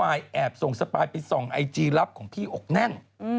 แอบส่งสปายไปส่องไอจีรับของพี่อกแน่น